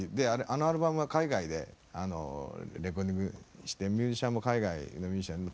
あのアルバムは海外でレコーディングしてミュージシャンも海外のミュージシャン。